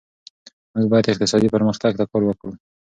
موږ باید اقتصادي پرمختګ ته کار وکړو.